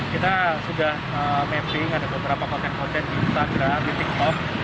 kita sudah mapping ada beberapa konten konten di instagram di tiktok